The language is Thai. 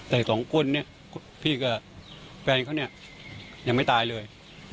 แต่สองคนเนี่ยพี่กับแฟนเขาเนี่ยยังไม่ตายเลย